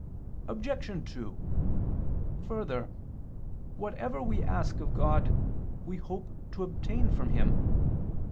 Obj. 2: Further, whatever we ask of God, we hope to obtain from Him.